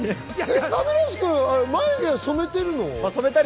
亀梨君、眉毛染めてるの？